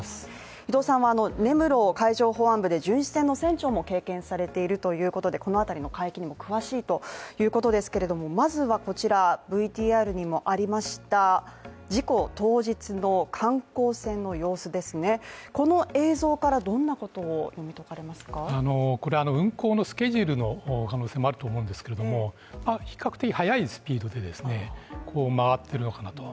あの根室海上保安部で巡視船の船長も経験されているということでこのあたりの海域にも詳しいということですけれどもまずはこちら、ＶＴＲにもありました、事故当日の観光船の様子ですね、この映像からどんなことを読み解かれますかこれ運航のスケジュールの可能性もあると思うんですけれども比較的早いスピードでですね、回ってるのかなと。